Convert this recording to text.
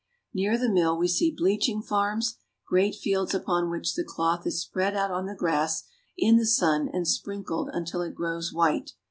Near the mill we see bleaching farms, great fields upon which the cloth is spread out on the grass in the sun and sprinkled until it grows white.